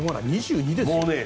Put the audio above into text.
２２ですよ。